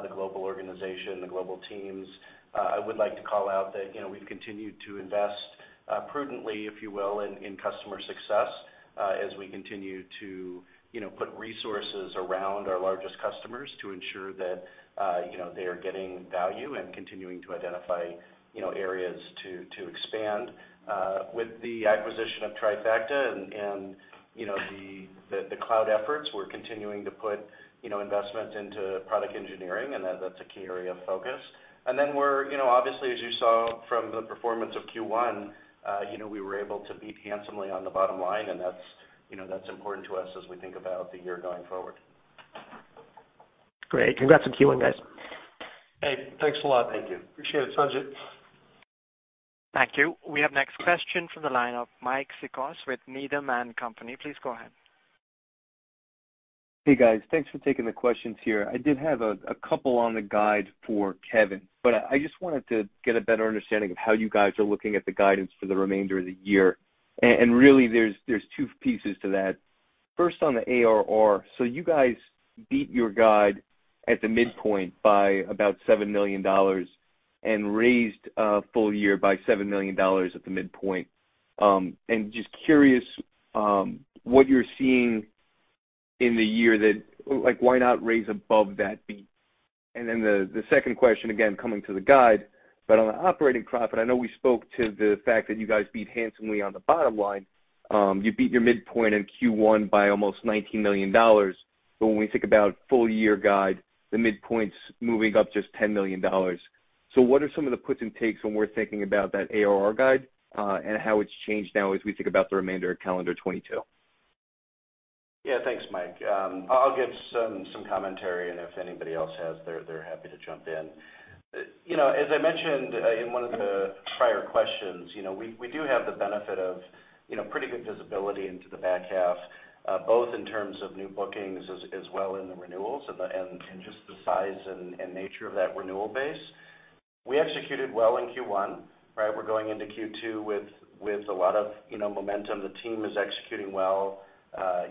the global organization, the global teams. I would like to call out that, you know, we've continued to invest prudently, if you will, in customer success as we continue to, you know, put resources around our largest customers to ensure that, you know, they are getting value and continuing to identify, you know, areas to expand. With the acquisition of Trifacta and, you know, the cloud efforts, we're continuing to put, you know, investment into product engineering, and that's a key area of focus. We're, you know, obviously, as you saw from the performance of Q1, you know, we were able to beat handsomely on the bottom line, and that's, you know, that's important to us as we think about the year going forward. Great. Congrats on Q1, guys. Hey, thanks a lot. Thank you. Appreciate it, Sanjit. Thank you. We have next question from the line of Mike Cikos with Needham & Company. Please go ahead. Hey, guys. Thanks for taking the questions here. I did have a couple on the guide for Kevin, but I just wanted to get a better understanding of how you guys are looking at the guidance for the remainder of the year. Really, there's two pieces to that. First, on the ARR. You guys beat your guide at the midpoint by about $7 million and raised full year by $7 million at the midpoint. Just curious, what you're seeing in the year like why not raise above that beat? The second question, again, coming to the guide, but on the operating profit. I know we spoke to the fact that you guys beat handsomely on the bottom line. You beat your midpoint in Q1 by almost $19 million. When we think about full year guide, the midpoint's moving up just $10 million. What are some of the puts and takes when we're thinking about that ARR guide, and how it's changed now as we think about the remainder of calendar 2022? Yeah. Thanks, Mike. I'll give some commentary, and if anybody else has, they're happy to jump in. You know, as I mentioned in one of the prior questions, you know, we do have the benefit of, you know, pretty good visibility into the back half, both in terms of new bookings as well as in the renewals and just the size and nature of that renewal base. We executed well in Q1, right? We're going into Q2 with a lot of, you know, momentum. The team is executing well.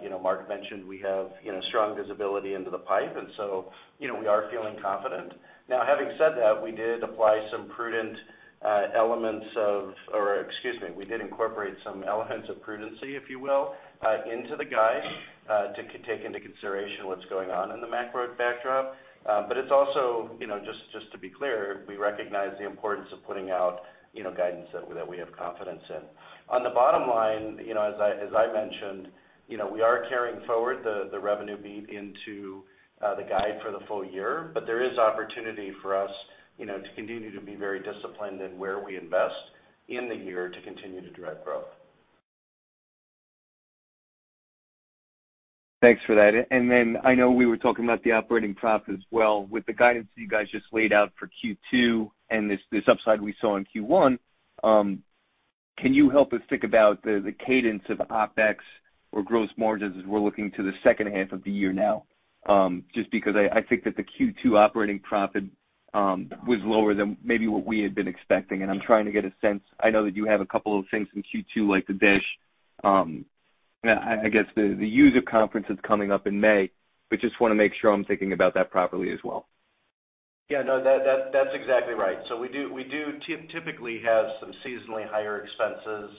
You know, Mark mentioned we have, you know, strong visibility into the pipe. You know, we are feeling confident. Now, having said that, we did apply some prudent elements of, excuse me, we did incorporate some elements of prudence, if you will, into the guide to take into consideration what's going on in the macro backdrop. It's also, you know, just to be clear, we recognize the importance of putting out, you know, guidance that we have confidence in. On the bottom line, you know, as I mentioned, you know, we are carrying forward the revenue beat into the guide for the full year. There is opportunity for us, you know, to continue to be very disciplined in where we invest in the year to continue to drive growth. Thanks for that. Then I know we were talking about the operating profit as well. With the guidance you guys just laid out for Q2 and this upside we saw in Q1, can you help us think about the cadence of OpEx or gross margins as we're looking to the second half of the year now? Just because I think that the Q2 operating profit was lower than maybe what we had been expecting, and I'm trying to get a sense. I know that you have a couple of things in Q2 like the DISH. I guess the user conference is coming up in May. Just wanna make sure I'm thinking about that properly as well. Yeah. No. That's exactly right. We typically have some seasonally higher expenses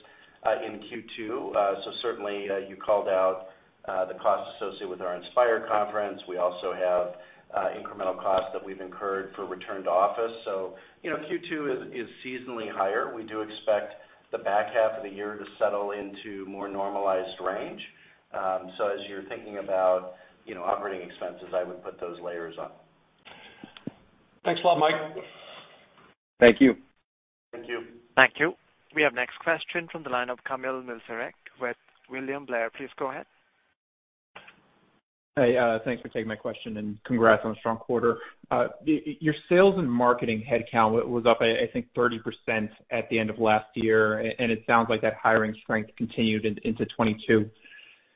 in Q2. Certainly you called out the costs associated with our Inspire conference. We also have incremental costs that we've incurred for return to office. You know Q2 is seasonally higher. We do expect the back half of the year to settle into more normalized range. As you're thinking about you know operating expenses, I would put those layers on. Thanks a lot, Mark. Thank you. Thank you. Thank you. We have next question from the line of Kamil Mielczarek with William Blair. Please go ahead. Hey. Thanks for taking my question, and congrats on a strong quarter. Your sales and marketing headcount was up, I think, 30% at the end of last year, and it sounds like that hiring strength continued into 2022.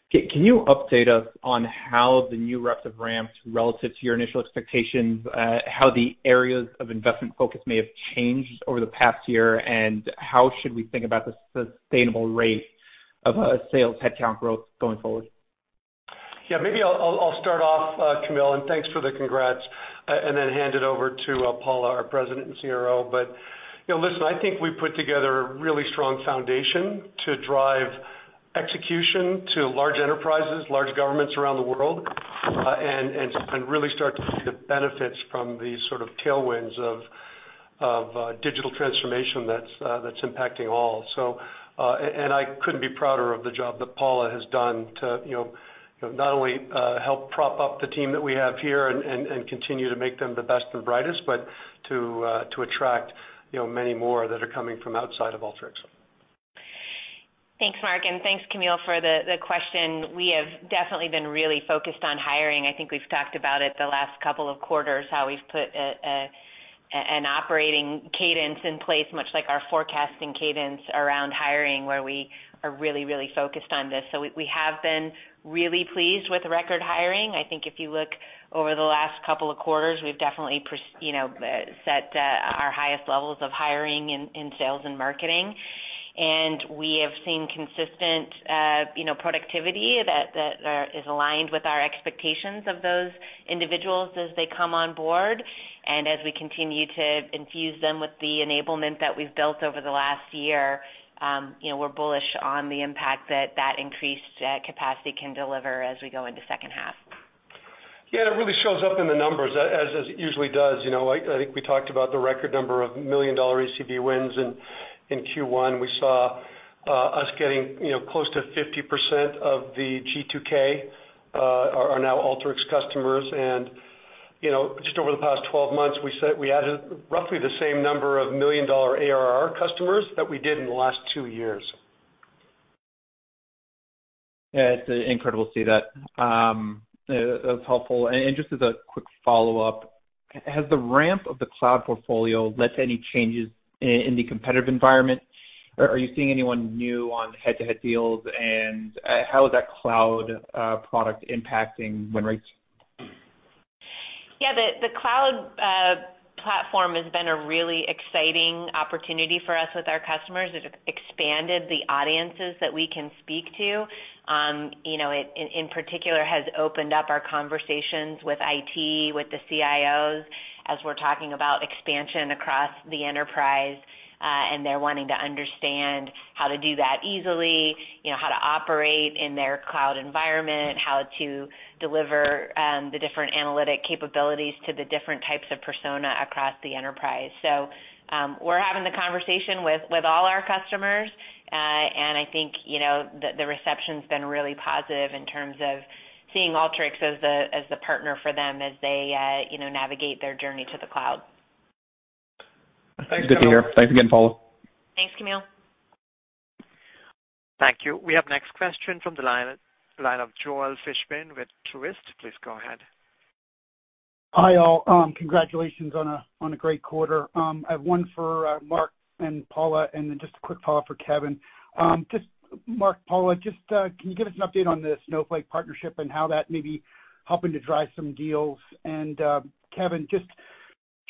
Can you update us on how the new reps have ramped relative to your initial expectations, how the areas of investment focus may have changed over the past year, and how should we think about the sustainable rate of sales headcount growth going forward? Yeah. Maybe I'll start off, Kamil, and thanks for the congrats, and then hand it over to Paula, our President and CRO. You know, listen, I think we put together a really strong foundation to drive execution to large enterprises, large governments around the world, and really start to see the benefits from the sort of tailwinds of digital transformation that's impacting all. I couldn't be prouder of the job that Paula has done to, you know, not only help prop up the team that we have here and continue to make them the best and brightest, but to attract, you know, many more that are coming from outside of Alteryx. Thanks, Mark, and thanks, Kamil, for the question. We have definitely been really focused on hiring. I think we've talked about it the last couple of quarters, how we've put an operating cadence in place, much like our forecasting cadence around hiring, where we are really focused on this. We have been really pleased with record hiring. I think if you look over the last couple of quarters, we've definitely set our highest levels of hiring in sales and marketing. We have seen consistent productivity that is aligned with our expectations of those individuals as they come on board. As we continue to infuse them with the enablement that we've built over the last year, you know, we're bullish on the impact that increased capacity can deliver as we go into second half. Yeah. It really shows up in the numbers as it usually does. You know, I think we talked about the record number of million-dollar ACV wins in Q1. We saw us getting, you know, close to 50% of the G2K are now Alteryx customers. You know, just over the past 12 months, we added roughly the same number of million-dollar ARR customers that we did in the last two years. Yeah. It's incredible to see that. That's helpful. Just as a quick follow-up, has the ramp of the cloud portfolio led to any changes in the competitive environment? Are you seeing anyone new on head-to-head deals, and how is that cloud product impacting win rates? Yeah. The cloud platform has been a really exciting opportunity for us with our customers. It expanded the audiences that we can speak to. You know, it in particular has opened up our conversations with IT, with the CIOs as we're talking about expansion across the enterprise, and they're wanting to understand how to do that easily, you know, how to operate in their cloud environment, how to deliver the different analytic capabilities to the different types of persona across the enterprise. We're having the conversation with all our customers. I think, you know, the reception's been really positive in terms of seeing Alteryx as the partner for them as they, you know, navigate their journey to the cloud. Thanks, Paula. Good to be here. Thanks again, Paula. Thanks, Kamil. Thank you. We have next question from the line of Joel Fishbein with Truist. Please go ahead. Hi, all. Congratulations on a great quarter. I have one for Mark and Paula, and then just a quick follow-up for Kevin. Just Mark, Paula, can you give us an update on the Snowflake partnership and how that may be helping to drive some deals? Kevin, just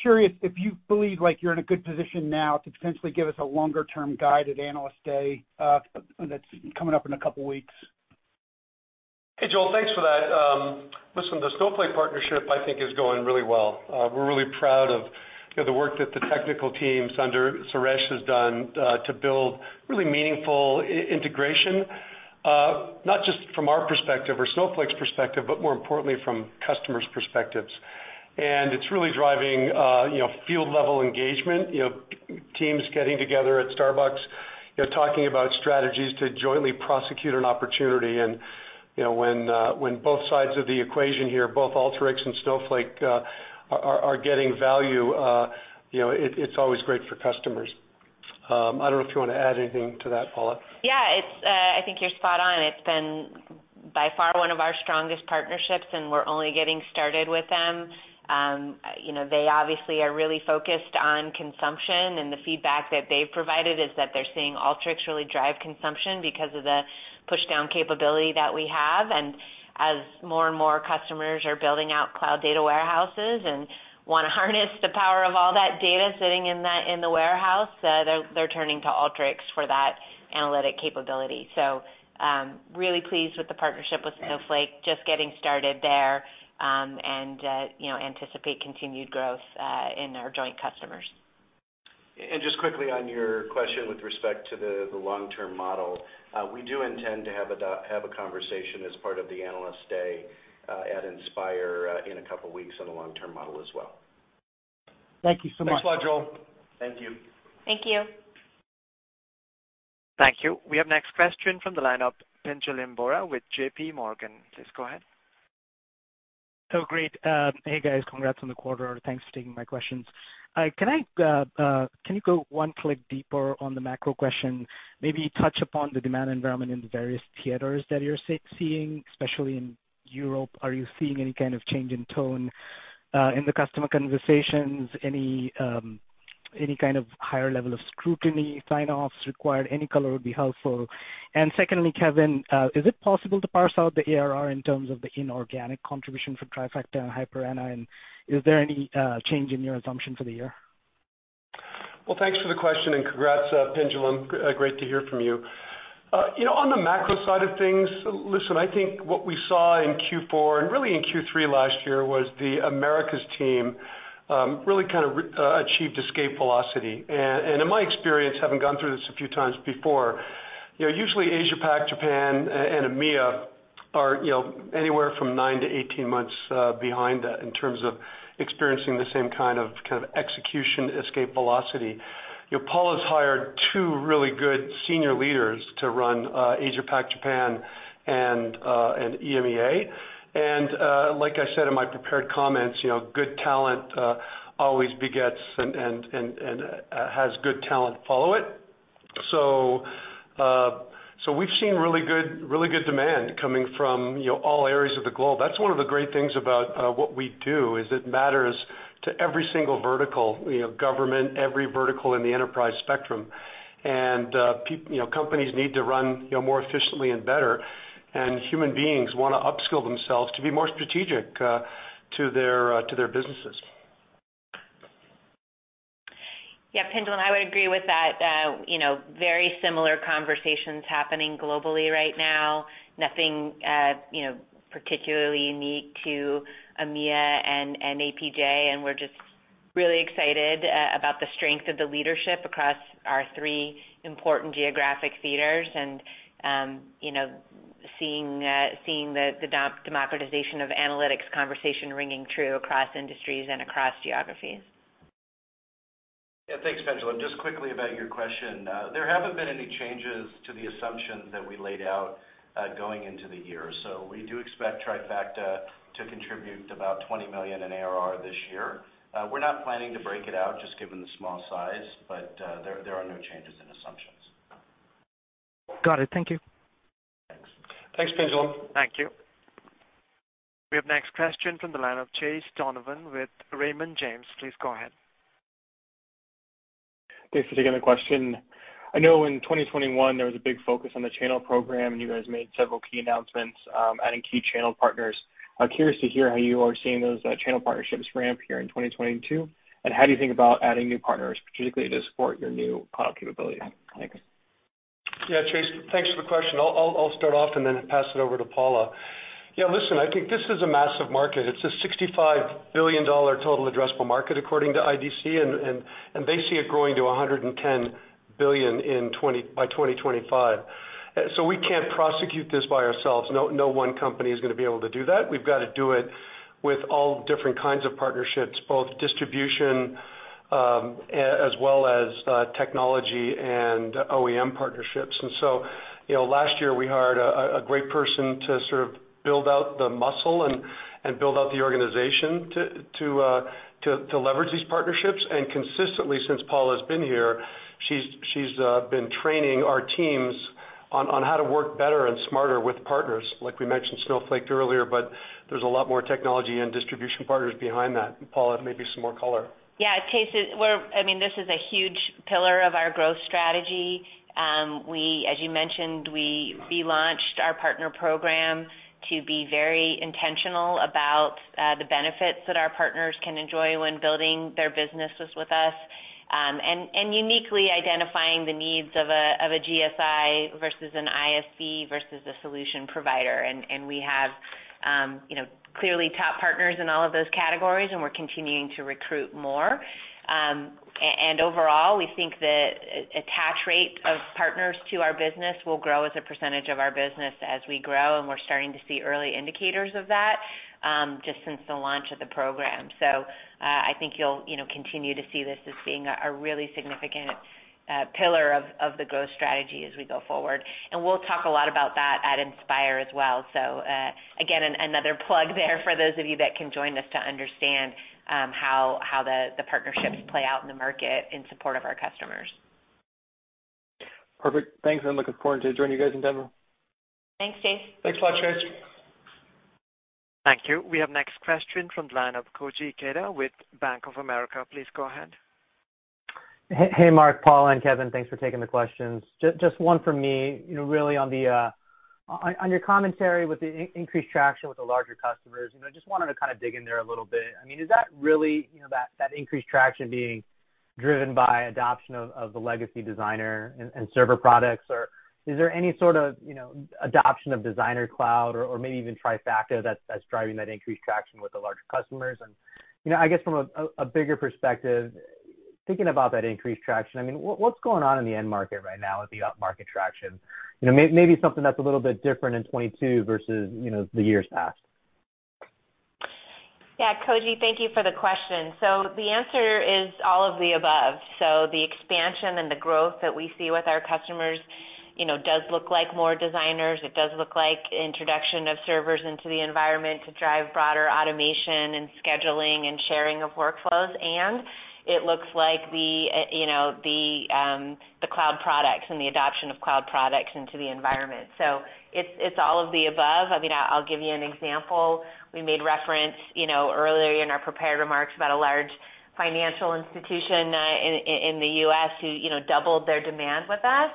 curious if you believe like you're in a good position now to potentially give us a longer-term guide at Analyst Day, that's coming up in a couple weeks. Hey, Joel. Thanks for that. Listen, the Snowflake partnership I think is going really well. We're really proud of, you know, the work that the technical teams under Suresh has done, to build really meaningful integration, not just from our perspective or Snowflake's perspective, but more importantly from customers' perspectives. It's really driving, you know, field level engagement, you know, teams getting together at Starbucks, you know, talking about strategies to jointly prosecute an opportunity. You know, when both sides of the equation here, both Alteryx and Snowflake, are getting value, you know, it's always great for customers. I don't know if you wanna add anything to that, Paula. Yeah, it's. I think you're spot on. It's been by far one of our strongest partnerships, and we're only getting started with them. You know, they obviously are really focused on consumption, and the feedback that they've provided is that they're seeing Alteryx really drive consumption because of the push down capability that we have. As more and more customers are building out cloud data warehouses and wanna harness the power of all that data sitting in the warehouse, they're turning to Alteryx for that analytic capability. Really pleased with the partnership with Snowflake. Just getting started there, and you know, anticipate continued growth in our joint customers. Just quickly on your question with respect to the long-term model, we do intend to have a conversation as part of the Analyst Day at Inspire in a couple of weeks on a long-term model as well. Thank you so much. Thanks a lot, Joel. Thank you. Thank you. Thank you. We have next question from the line of Pinjalim Bora with JP Morgan. Please go ahead. Oh, great. Hey, guys. Congrats on the quarter. Thanks for taking my questions. Can you go one click deeper on the macro question? Maybe touch upon the demand environment in the various theaters that you're seeing, especially in Europe. Are you seeing any kind of change in tone in the customer conversations? Any kind of higher level of scrutiny sign-offs required? Any color would be helpful. Secondly, Kevin, is it possible to parse out the ARR in terms of the inorganic contribution from Trifacta and Hyper Anna? Is there any change in your assumption for the year? Well, thanks for the question, and congrats, Pinjalim. Great to hear from you. You know, on the macro side of things, listen, I think what we saw in Q4 and really in Q3 last year was the Americas team really kind of achieved escape velocity. In my experience, having gone through this a few times before, you know, usually Asia Pac, Japan and EMEA are, you know, anywhere from nine to 18 months behind that in terms of experiencing the same kind of execution escape velocity. You know, Paula's hired two really good senior leaders to run Asia Pac, Japan and EMEA. Like I said in my prepared comments, you know, good talent always begets and has good talent follow it. We've seen really good demand coming from, you know, all areas of the globe. That's one of the great things about what we do, is it matters to every single vertical, you know, government, every vertical in the enterprise spectrum. Companies need to run, you know, more efficiently and better, and human beings wanna upskill themselves to be more strategic to their businesses. Yeah, Pinjalim, I would agree with that. You know, very similar conversations happening globally right now. Nothing, you know, particularly unique to EMEA and APJ. We're just really excited about the strength of the leadership across our three important geographic theaters and, you know, seeing the democratization of analytics conversation ringing true across industries and across geographies. Yeah. Thanks, Pinjalim. Just quickly about your question. There haven't been any changes to the assumptions that we laid out, going into the year. We do expect Trifacta to contribute about $20 million in ARR this year. We're not planning to break it out just given the small size, but there are no changes in assumptions. Got it. Thank you. Thanks. Thanks, Pinjalim. Thank you. We have next question from the line of Chase Donovan with Raymond James. Please go ahead. Thanks for taking the question. I know in 2021, there was a big focus on the channel program, and you guys made several key announcements, adding key channel partners. I'm curious to hear how you are seeing those channel partnerships ramp here in 2022. How do you think about adding new partners, particularly to support your new product capability? Thanks. Yeah, Chase, thanks for the question. I'll start off and then pass it over to Paula. Yeah, listen, I think this is a massive market. It's a $65 billion total addressable market according to IDC, and they see it growing to $110 billion by 2025. So we can't prosecute this by ourselves. No one company is gonna be able to do that. We've got to do it with all different kinds of partnerships, both distribution, as well as, technology and OEM partnerships. You know, last year we hired a great person to sort of build out the muscle and build out the organization to leverage these partnerships. Consistently, since Paula's been here, she's been training our teams on how to work better and smarter with partners. Like we mentioned Snowflake earlier, but there's a lot more technology and distribution partners behind that. Paula, maybe some more color. Yeah. Chase, I mean, this is a huge pillar of our growth strategy. As you mentioned, we relaunched our partner program to be very intentional about the benefits that our partners can enjoy when building their businesses with us, and uniquely identifying the needs of a GSI versus an ISV versus a solution provider. We have, you know, clearly top partners in all of those categories, and we're continuing to recruit more. Overall, we think the attach rate of partners to our business will grow as a percentage of our business as we grow, and we're starting to see early indicators of that just since the launch of the program. I think you'll, you know, continue to see this as being a really significant pillar of the growth strategy as we go forward. We'll talk a lot about that at Inspire as well. Again, another plug there for those of you that can join us to understand how the partnerships play out in the market in support of our customers. Perfect. Thanks. Looking forward to joining you guys in Denver. Thanks, Chase. Thanks a lot, Chase. Thank you. We have next question from the line of Koji Ikeda with Bank of America. Please go ahead. Hey, Mark, Paula, and Kevin. Thanks for taking the questions. Just one from me, you know, really on the, on your commentary with the increased traction with the larger customers. You know, just wanted to kind of dig in there a little bit. I mean, is that really, you know, that increased traction being driven by adoption of the legacy Designer and Server products, or is there any sort of, you know, adoption of Designer Cloud or maybe even Trifacta that's driving that increased traction with the larger customers? You know, I guess from a bigger perspective, thinking about that increased traction, I mean, what's going on in the end market right now with the upmarket traction? You know, maybe something that's a little bit different in 2022 versus the years past. Yeah. Koji Ikeda, thank you for the question. The answer is all of the above. The expansion and the growth that we see with our customers, you know, does look like more designers. It does look like introduction of servers into the environment to drive broader automation and scheduling and sharing of workflows. It looks like the, you know, the cloud products and the adoption of cloud products into the environment. It's all of the above. I mean, I'll give you an example. We made reference, you know, earlier in our prepared remarks about a large financial institution in the U.S. who doubled their demand with us.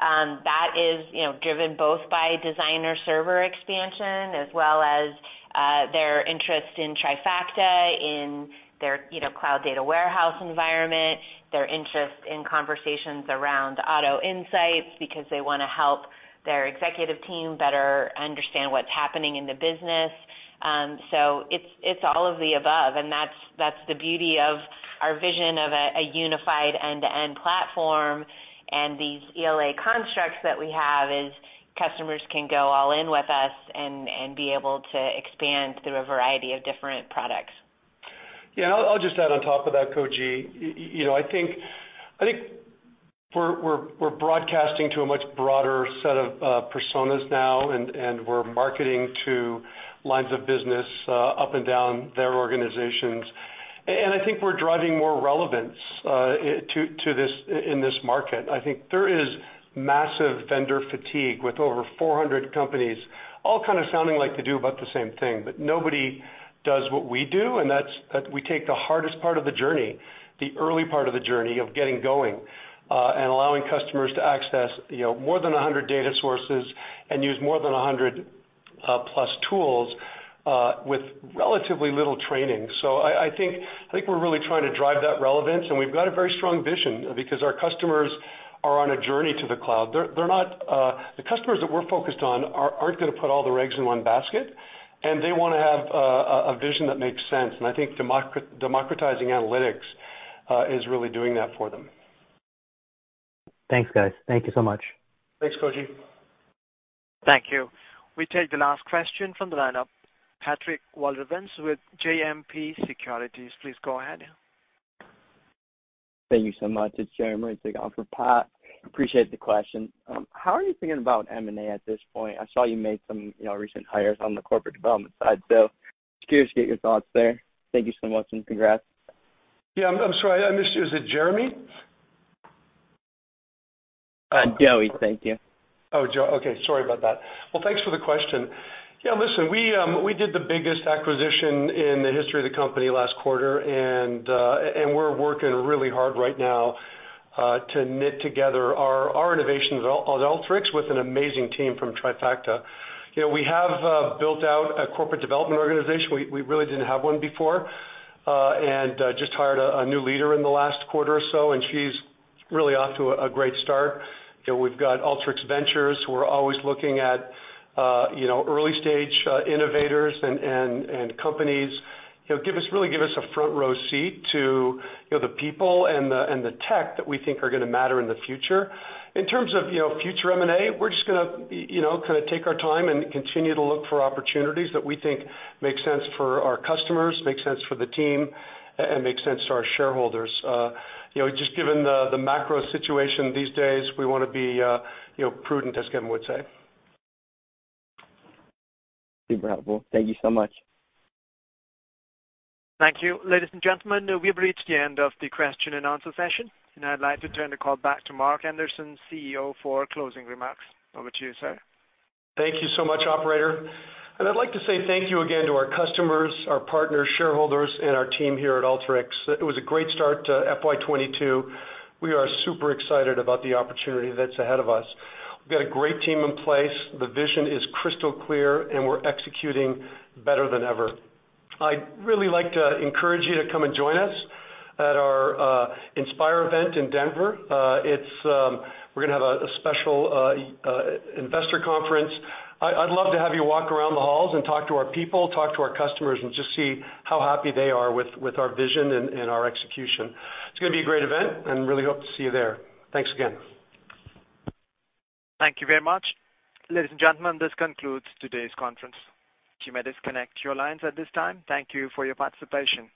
That is, you know, driven both by Designer Server expansion as well as their interest in Trifacta, in their, you know, cloud data warehouse environment, their interest in conversations around Auto Insights because they wanna help their executive team better understand what's happening in the business. It's all of the above. That's the beauty of our vision of a unified end-to-end platform. These ELA constructs that we have is customers can go all in with us and be able to expand through a variety of different products. Yeah. I'll just add on top of that, Koji. You know, I think we're broadcasting to a much broader set of personas now, and we're marketing to lines of business up and down their organizations. I think we're driving more relevance to this, in this market. I think there is massive vendor fatigue with over 400 companies all kind of sounding like they do about the same thing. But nobody does what we do, and that's, we take the hardest part of the journey, the early part of the journey of getting going, and allowing customers to access, you know, more than 100 data sources and use more than 100 plus tools with relatively little training. I think we're really trying to drive that relevance, and we've got a very strong vision because our customers are on a journey to the cloud. The customers that we're focused on aren't gonna put all their eggs in one basket, and they wanna have a vision that makes sense. I think democratizing analytics is really doing that for them. Thanks, guys. Thank you so much. Thanks, Koji. Thank you. We take the last question from the lineup. Patrick Walravens with JMP Securities, please go ahead. Thank you so much. It's Jeremy taking over for Pat. Appreciate the question. How are you thinking about M&A at this point? I saw you made some, you know, recent hires on the corporate development side. So just curious to get your thoughts there. Thank you so much, and congrats. Yeah. I'm sorry. I missed you. Is it Jeremy? Joey. Thank you. Oh, okay. Sorry about that. Well, thanks for the question. Yeah. Listen, we did the biggest acquisition in the history of the company last quarter, and we're working really hard right now to knit together our innovations on Alteryx with an amazing team from Trifacta. You know, we have built out a corporate development organization. We really didn't have one before, and just hired a new leader in the last quarter or so, and she's really off to a great start. You know, we've got Alteryx Ventures, who are always looking at you know, early stage innovators and companies, you know, really give us a front row seat to you know, the people and the tech that we think are gonna matter in the future. In terms of, you know, future M&A, we're just gonna, you know, kinda take our time and continue to look for opportunities that we think make sense for our customers, make sense for the team, and make sense to our shareholders. You know, just given the macro situation these days, we wanna be, you know, prudent, as Kevin would say. Super helpful. Thank you so much. Thank you. Ladies and gentlemen, we have reached the end of the question and answer session, and I'd like to turn the call back to Mark Anderson, CEO, for closing remarks. Over to you, sir. Thank you so much, operator. I'd like to say thank you again to our customers, our partners, shareholders, and our team here at Alteryx. It was a great start to FY 2022. We are super excited about the opportunity that's ahead of us. We've got a great team in place, the vision is crystal clear, and we're executing better than ever. I'd really like to encourage you to come and join us at our Inspire event in Denver. We're gonna have a special investor conference. I'd love to have you walk around the halls and talk to our people, talk to our customers, and just see how happy they are with our vision and our execution. It's gonna be a great event, and really hope to see you there. Thanks again. Thank you very much. Ladies and gentlemen, this concludes today's conference. You may disconnect your lines at this time. Thank you for your participation.